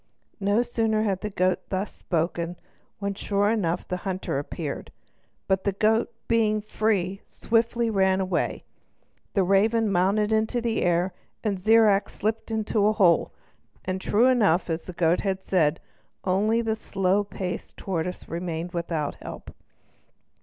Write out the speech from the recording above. No sooner had the goat thus spoken, when sure enough the hunter appeared; but the goat, being free, swiftly ran away; the raven mounted into the air, and Zirac slipped into a hole, and true enough, as the goat had said, only the slow paced tortoise remained without help.